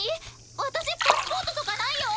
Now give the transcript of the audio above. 私パスポートとかないよ。